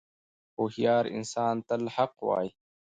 • هوښیار انسان تل حق وایی.